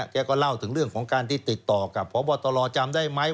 แกก็เล่าถึงเรื่องของการที่ติดต่อกับพบตรจำได้ไหม